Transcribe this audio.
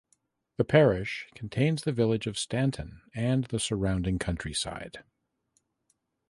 The parish contains the village of Stanton and the surrounding countryside.